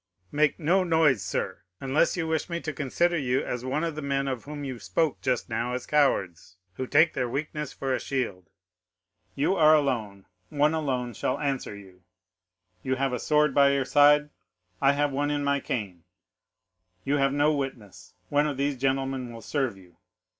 "'"Make no noise, sir, unless you wish me to consider you as one of the men of whom you spoke just now as cowards, who take their weakness for a shield. You are alone, one alone shall answer you; you have a sword by your side, I have one in my cane; you have no witness, one of these gentlemen will serve you.